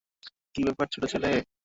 কী ব্যাপার, ছোট্ট ছেলে?